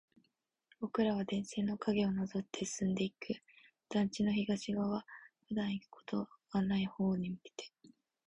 僕らは電線の影をなぞって進んでいく。団地の東側、普段行くことはない方に向けて。